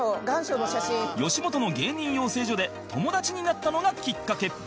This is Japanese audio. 吉本の芸人養成所で友達になったのがきっかけ